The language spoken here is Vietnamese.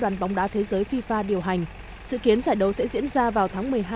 một giải đấu hàng đầu